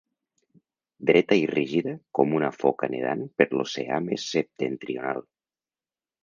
Dreta i rígida com una foca nedant per l'oceà més septentrional.